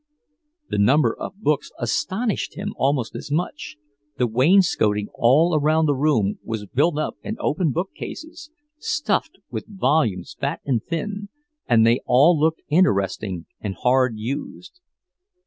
The number of books astonished him almost as much; the wainscoting all around the room was built up in open bookcases, stuffed with volumes fat and thin, and they all looked interesting and hard used.